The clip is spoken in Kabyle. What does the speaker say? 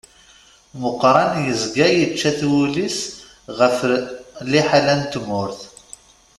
Muqran yezga yečča-t wul-is ɣef liḥala n tmurt.